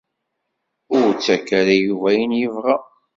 Ur ttak ara i Yuba ayen i yebɣa.